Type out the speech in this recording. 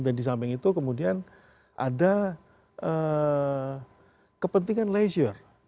dan di samping itu kemudian ada kepentingan leisure